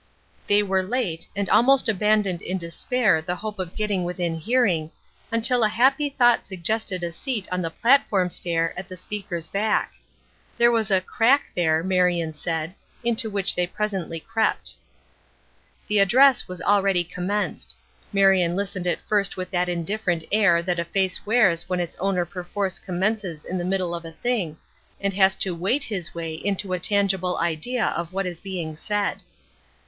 They were late, and almost abandoned in despair the hope of getting within hearing, until a happy thought suggested a seat on the platform stair at the speaker's back. There was a "crack" there, Marion said, into which they presently crept. The address was already commenced. Marion listened at first with that indifferent air that a face wears when its owner perforce commences in the middle of a thing, and has to wait his way to a tangible idea of what is being said.